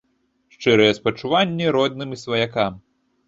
Шчырыя спачуванні родным і сваякам.